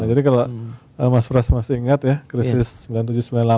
nah jadi kalau mas pras masih ingat ya krisis sembilan puluh tujuh sembilan puluh delapan gitu ya